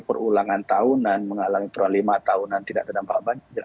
perulangan tahunan mengalami perulang lima tahunan tidak terdampak banjir